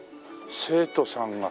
生徒さんが。